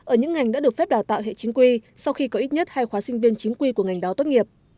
ở những ngành đã được phép đào tạo hệ chính quy sau khi có ít nhất hai khóa sinh viên chính quy của ngành đó tốt nghiệp